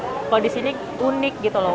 kalau di sini unik gitu loh